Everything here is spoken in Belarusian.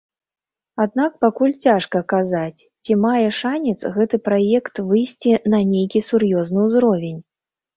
Аднак пакуль цяжка казаць, ці мае шанец гэты праект выйсці на нейкі сур'ёзны ўзровень.